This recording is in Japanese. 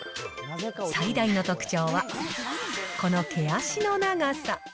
最大の特徴は、この毛足の長さ。